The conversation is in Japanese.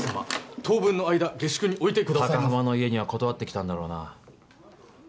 当分の間下宿において高浜の家には断ってきたんだろうな？